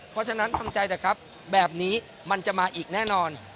เพราะฉะนั้นทำใจเถอะครับแบบนี้มันจะมาอีกแน่นอน